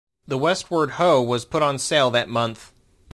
The Westward Ho was put on sale that month.